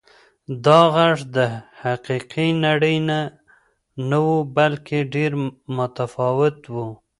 دا غږ د حقیقي نړۍ نه و بلکې ډېر متفاوت و.